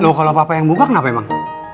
loh kalo papa yang buka kenapa emang